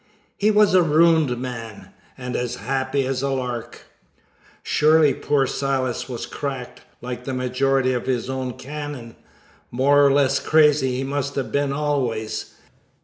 He was a ruined man, and as happy as a lark. Surely poor Silas was cracked, like the majority of his own cannon. More or less crazy he must have been always.